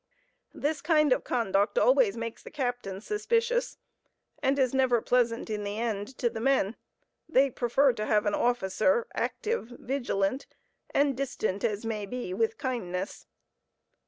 This kind of conduct always makes the captain suspicious, and is never pleasant in the end, to the men; they preferring to have an officer active, vigilant, and distant as may be, with kindness.